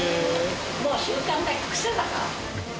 もう習慣癖だから。